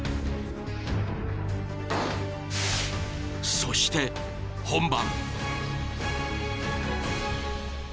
［そして本番］